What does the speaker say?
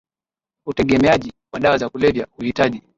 utegemeaji wa dawa za kulevya huhitaji